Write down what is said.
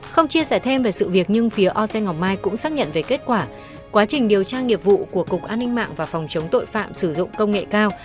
không chia sẻ thêm về sự việc nhưng phía osen ngọc mai cũng xác nhận về kết quả quá trình điều tra nghiệp vụ của cục an ninh mạng và phòng chống tội phạm sử dụng công nghệ cao